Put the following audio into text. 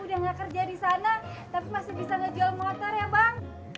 udah gak kerja di sana tapi masih di sana jual motor ya bang